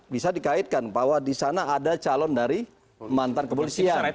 bisa dikaitkan bahwa disana ada calon dari mantan kepolisian